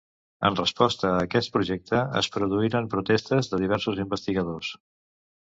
En resposta a aquest projecte es produïren protestes de diversos investigadors.